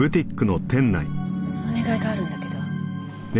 お願いがあるんだけど。